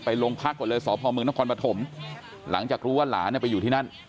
โรงพักก่อนเลยสพมนครปฐมหลังจากรู้ว่าหลานไปอยู่ที่นั่น